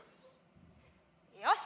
よし！